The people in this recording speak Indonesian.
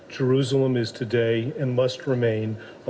jerusalem adalah hari ini dan harus tetap menjadi tempat